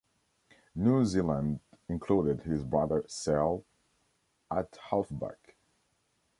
New Zealand included his brother Sel at halfback.